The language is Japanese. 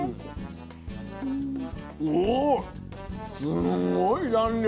すんごい弾力。